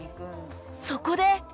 そこで